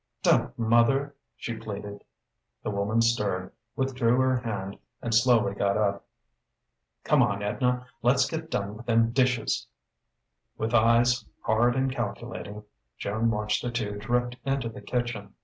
"Don't, mother!" she pleaded. The woman stirred, withdrew her hand, and slowly got up. "Come on, Edna. Le's get done with them dishes." With eyes hard and calculating, Joan watched the two drift into the kitchen.